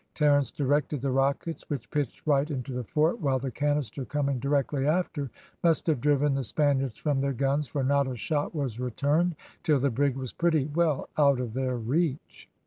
Terence directed the rockets, which pitched right into the fort, while the canister coming directly after, must have driven the Spaniards from their guns, for not a shot was returned till the brig was pretty well out of their reach.